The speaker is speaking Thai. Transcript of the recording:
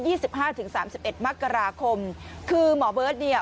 สิบห้าถึงสามสิบเอ็ดมกราคมคือหมอเบิร์ตเนี่ย